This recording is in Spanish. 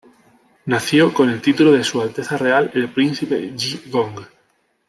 Nació con el título de Su Alteza Real el Príncipe Yi Gong.